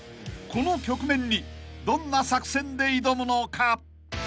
［この局面にどんな作戦で挑むのか？］